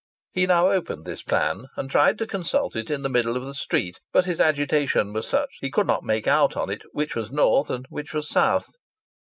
He now opened this plan and tried to consult it in the middle of the street, but his agitation was such that he could not make out on it which was north and which was south.